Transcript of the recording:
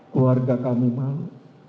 keluarga kami malu